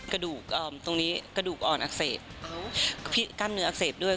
กระดูกตรงนี้กระดูกอ่อนอักเสบกล้ามเนื้ออักเสบด้วย